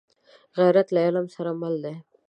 غیرت له علم سره مل وي